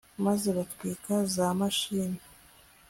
maze batwika za mashini